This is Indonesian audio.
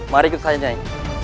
mari kesayang nyai